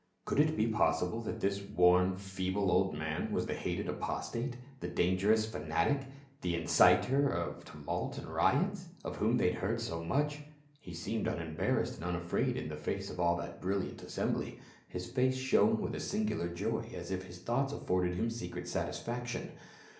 Could it be possible that this worn feeble old man was tlie hated apostate, the dangerous fanatic, the inciter of 422 P.l UL. tumult and riots, of whom they had heard so much ? He seemed unembarrassed and unafraid in the face of all that brilliant assembly ; his face shone with a singular joy, as if his thoughts afforded him secret satisfaction.